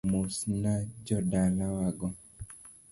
Mosna jo dalawago.